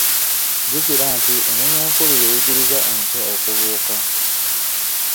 Jjukira nti ennyonyi enkulu yeeyigiriza ento okubuuka.